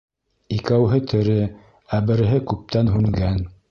Икәүһе тере, ә береһе күптән һүнгән.